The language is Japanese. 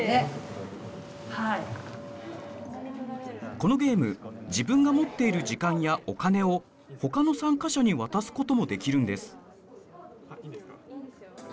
このゲーム自分が持っている時間やお金をほかの参加者に渡すこともできるんです。